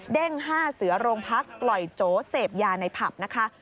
๕เสือโรงพักปล่อยโจเสพยาในผับนะคะ